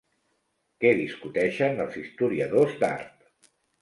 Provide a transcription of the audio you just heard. Què discuteixen els historiadors d'art?